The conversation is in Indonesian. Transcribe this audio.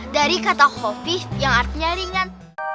dari kata kopi yang artinya ringan